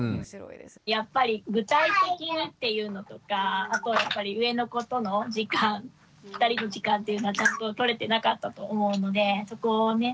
やっぱり具体的にっていうのとかあと上の子との時間２人の時間っていうのはちゃんと取れてなかったと思うのでそこをね